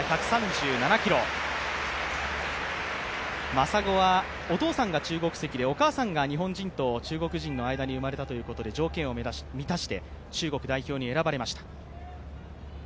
真砂はお父さんが中国籍でお母さんは日本人と中国人の間に生まれたということで条件を満たして、中国代表に選ばれました。